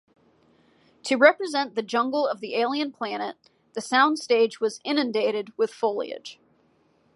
To represent the jungle of the alien planet, the soundstage was inundated with foliage.